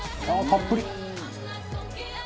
「ああたっぷり！」